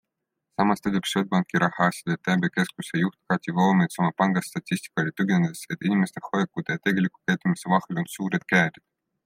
Samas tõdeb Swedbanki Rahaasjade Teabekeskuse juht Kati Voomets oma panga statistikale tuginedes, et inimeste hoiakute ja tegeliku käitumise vahel on suured käärid.